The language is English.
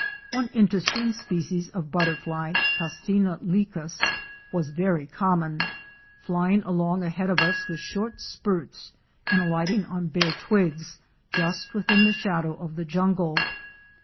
One interesting species of butterfly (Castina licus) was very common, flying along ahead of us with short spurts and alighting on bare twigs, just within the shadow of the jungle.